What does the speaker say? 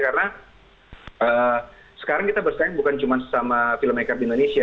karena sekarang kita bersaing bukan cuma sama filmmaker di indonesia